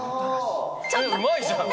うまいじゃん！